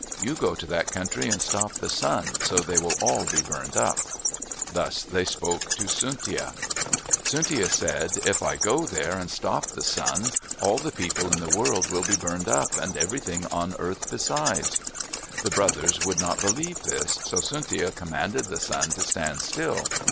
You go to that country and stop the sun so they will all be burned up." Thus they spoke to Tsuntia. Tsuntia said, "If I go there and stop the sun, all the people in the world will be burned up and everything on earth besides." The brothers would not believe this, so Tsuntia commanded the sun to stand still.